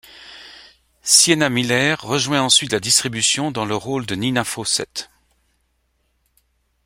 Sienna Miller rejoint ensuite la distribution dans le rôle de Nina Fawcett.